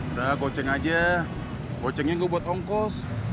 udah goceng aja gocengnya gue buat ongkos